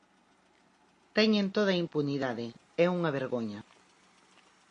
"Teñen toda a impunidade, é unha vergoña".